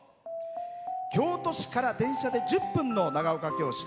京都市から電車で１０分の長岡京市。